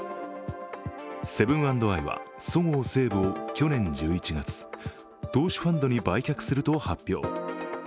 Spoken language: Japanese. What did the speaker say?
セブン＆アイはそごう・西武を去年１１月投資ファンドに売却すると発表。